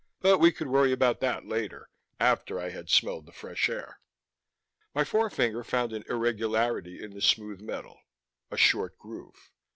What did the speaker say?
But we could worry about that later, after I had smelled the fresh air. My forefinger found an irregularity in the smooth metal: a short groove.